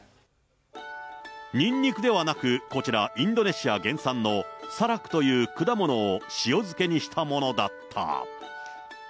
ニンニクではなく、こちら、インドネシア原産のサラクという果物を塩漬けにしたものだった。